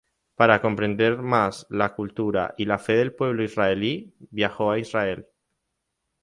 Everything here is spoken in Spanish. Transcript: Para comprender más la cultura y la fe del pueblo israelí, viajó a Israel.